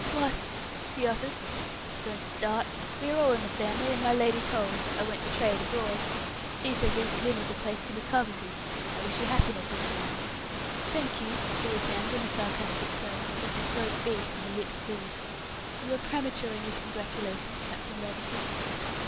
"What!" she uttered. "Don't start. We are all in the family, and my lady told; I won't betray it abroad. She says East Lynne is a place to be coveted; I wish you happiness, Isabel." "Thank you," she returned in a sarcastic tone, though her throat beat and her lips quivered. "You are premature in your congratulations, Captain Levison."